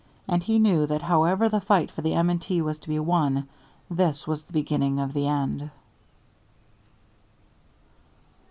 And he knew that however the fight for the M. & T. was to be won, this was the beginning of the end.